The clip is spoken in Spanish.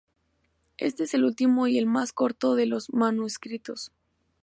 Éste es el último y el más corto de los manuscritos.